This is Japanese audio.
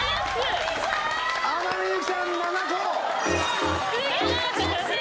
天海祐希さん７個！